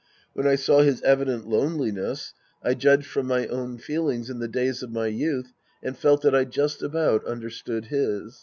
When I saw his evident lone liness, I judged from my own feelings in the days of my youth and felt that I just about understood his.